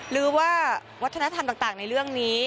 หรือว่าวัฒนธรรมต่างในเรื่องนี้